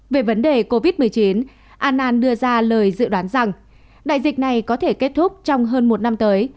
về vấn đề covid một mươi chín annan đưa ra lời dự đoán rằng đại dịch này có thể kết thúc trong hơn một năm tới